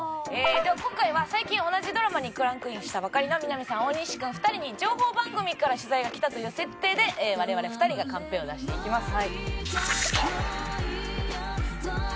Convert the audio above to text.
では今回は最近同じドラマにクランクインしたばかりのみな実さん大西君２人に情報番組から取材が来たという設定で我々２人がカンペを出していきます。